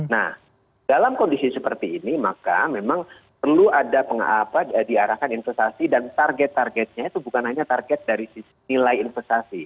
nah dalam kondisi seperti ini maka memang perlu ada diarahkan investasi dan target targetnya itu bukan hanya target dari nilai investasi